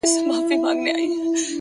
o ستا شاعري گرانه ستا اوښکو وړې؛